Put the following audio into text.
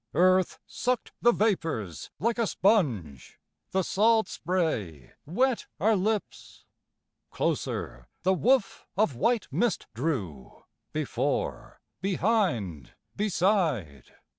Earth sucked the vapors like a sponge, The salt spray wet our lips. Closer the woof of white mist drew, Before, behind, beside.